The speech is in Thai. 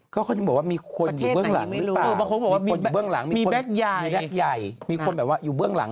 ก็คงเขาบอกว่ามีคนอยู่เบื้องหลัง